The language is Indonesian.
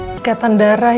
berada di rumah